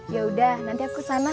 yaudah nanti aku kesana